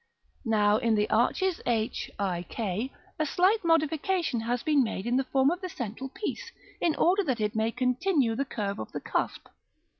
§ XVIII. Now, in the arches h, i, k, a slight modification has been made in the form of the central piece, in order that it may continue the curve of the cusp.